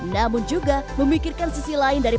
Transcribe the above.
namun juga memikirkan sisi lain dari perjalanan banjir